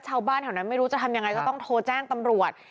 ชาวบ้านแถวนั้นไม่รู้จะทำยังไงก็ต้องโทรแจ้งตำรวจ